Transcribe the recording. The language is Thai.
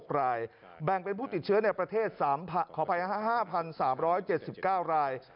๕๔๐๖รายแบ่งเป็นผู้ติดเชื้อในประเทศ๕๓๗๙ราย